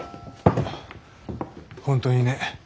本当にね